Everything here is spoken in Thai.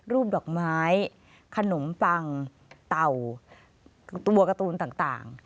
ดอกไม้ขนมปังเต่าตัวการ์ตูนต่าง